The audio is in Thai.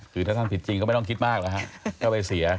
คือถ้าท่านผิดจริงก็ไม่ต้องคิดมากแล้วฮะก็ไปเสีย